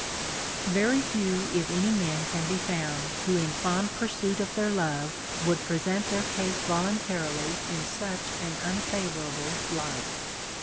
Very few if any men can be found who in fond pursuit of their love would present their case voluntarily in such an unfavorable light.